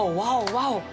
ワオ！